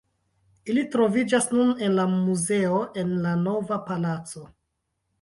Ili troviĝas nun en la muzeo en la Nova Palaco.